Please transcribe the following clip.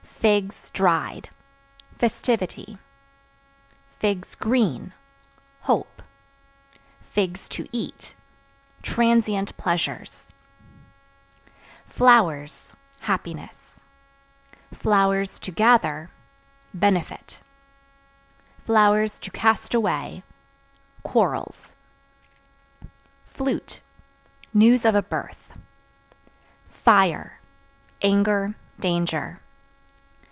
Figs (Dried) festivity; (green) hope; (to eat) transient pleasures. Flowers Happiness; (to gather) benefit; (to cast away) quarrels. Flute News of a birth. Fire Anger, danger.